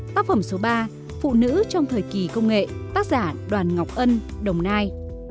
tác phẩm số ba phụ nữ trong thời kỳ công nghệ tác giả đoàn ngọc ân đồng nai